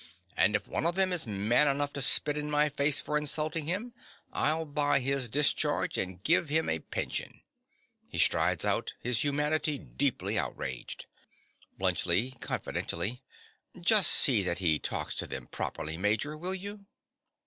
And if one of them is man enough to spit in my face for insulting him, I'll buy his discharge and give him a pension. (He strides out, his humanity deeply outraged.) BLUNTSCHLI. (confidentially). Just see that he talks to them properly, Major, will you?